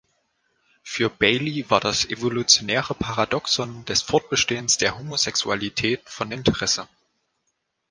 Für Bailey war das evolutionäre Paradoxon des Fortbestehens der Homosexualität von Interesse.